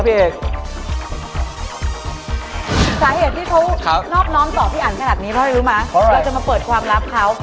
เราจะมาเปิดความลับเข้า